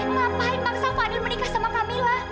mengapain maksa fadil menikah sama kamila